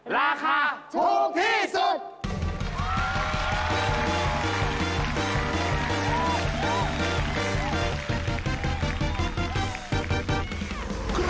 ราคาถูกที่สุด